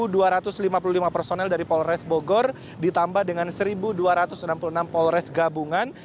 dan kurang lebih ada satu dua ratus lima puluh lima personel dari polres bogor ditambah dengan satu dua ratus enam puluh enam polres gabungan